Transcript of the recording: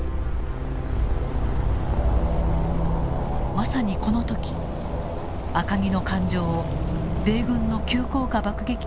まさにこの時赤城の艦上を米軍の急降下爆撃機が襲った。